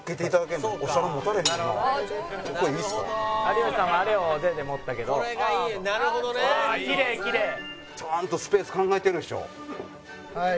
「きれいきれい」ちゃんとスペース考えてるでしょ。